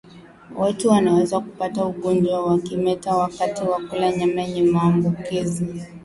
Watu wanaweza kupata ugonjwa wa kimeta wakati wa kula nyama yenye maambukizi